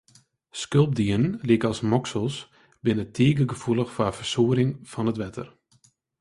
Skulpdieren lykas moksels, binne tige gefoelich foar fersuorring fan it wetter.